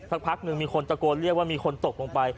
สักพักหนึ่งมีคนจะโกน